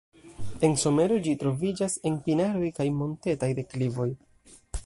En somero ĝi troviĝas en pinaroj kaj montetaj deklivoj.